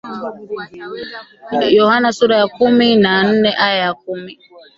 Yohana sura ya kumi na nne aya ya kumi